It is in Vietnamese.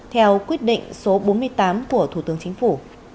theo quyết định số bốn mươi tám của thủ tướng chính phủ